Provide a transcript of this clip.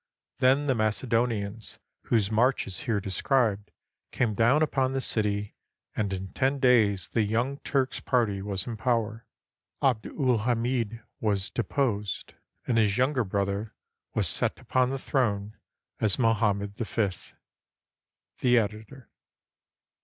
Then the Macedonians, whose march is here described, came down upon the city, and in ten days the Young Turk's Party was in power, Abd ul Hamid was deposed, and his younger brother was set upon the throne as Mohammed V. The Editor.